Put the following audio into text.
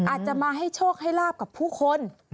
อาจจะมาให้โชคให้ลาบกับผู้คน